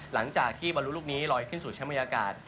หลังจากที่บรรลุลูกนี้ลอยขึ้นสู่ชั้นบรรยากาศ